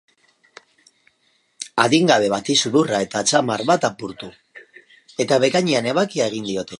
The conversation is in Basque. Adingabe bati sudurra eta atzamar bat apurtu, eta bekainean ebakia egin diote.